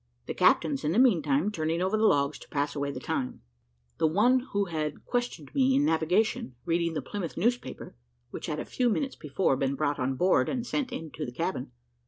The captains, in the meantime, turning over the logs to pass away the time; the one who had questioned me in navigation reading the Plymouth newspaper, which had a few minutes before been brought on board and sent into the cabin.